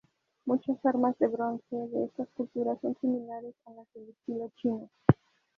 Muchas armas de bronce de estas culturas son similares a las de estilo chino.